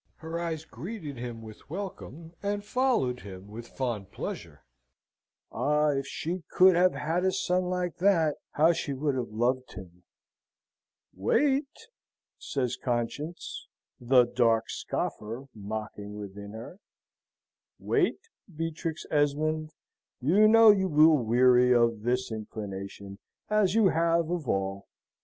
Her eyes greeted him with welcome, and followed him with fond pleasure. "Ah, if she could have had a son like that, how she would have loved him!" "Wait," says Conscience, the dark scoffer mocking within her, "wait, Beatrix Esmond! You know you will weary of this inclination, as you have of all.